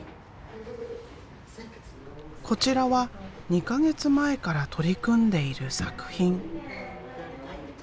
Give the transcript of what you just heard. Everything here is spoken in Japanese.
こちらは２か月前から取り組んでいる作品。